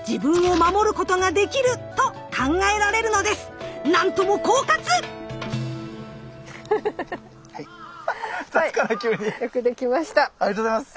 ありがとうございます。